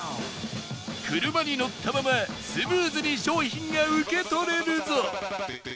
車に乗ったままスムーズに商品が受け取れるぞ！